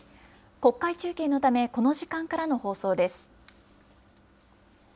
国会中継のため、この時間からの放送です。